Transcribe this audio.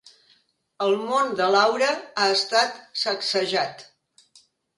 El món de Laura ha estat sacsejat.